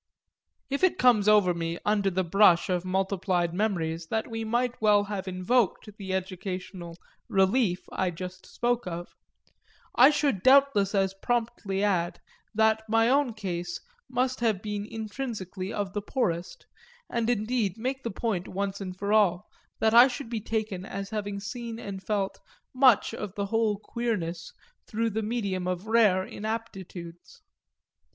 If it comes over me under the brush of multiplied memories that we might well have invoked the educational "relief" I just spoke of, I should doubtless as promptly add that my own case must have been intrinsically of the poorest, and indeed make the point once for all that I should be taken as having seen and felt much of the whole queerness through the medium of rare inaptitudes.